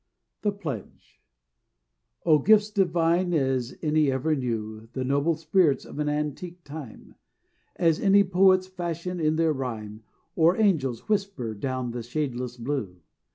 THE PLEDGE O gifts divine as any ever knew The noble spirits of an antique time; As any poets fashion in their rhyme, Or angels whisper down the shadeless blue!